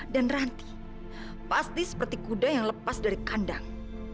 dan ranti pasti seperti kuda yang lepas dari kandang